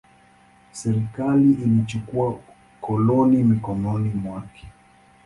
Serikali ilichukua koloni mikononi mwake.